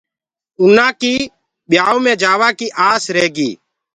اُنآ ڪي ٻيآئوُ مي جآوآ ڪيٚ آس رهيگي۔